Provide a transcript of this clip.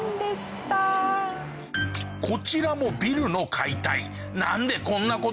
こちらもビルの解体。